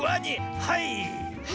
はい！